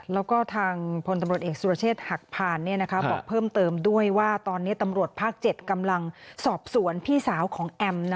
แล้วก็ทางพลตำรวจเอกสุรเชษฐ์หักพานบอกเพิ่มเติมด้วยว่าตอนนี้ตำรวจภาค๗กำลังสอบสวนพี่สาวของแอม